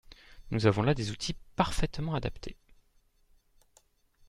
Nous avons là des outils parfaitement adaptés.